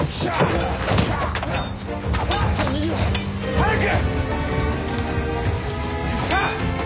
早く！